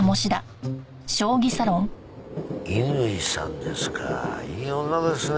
乾さんですかいい女ですね。